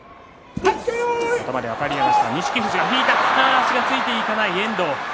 足がついていかない遠藤。